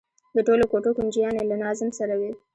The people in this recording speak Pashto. د ټولو کوټو کونجيانې له ناظم سره وي.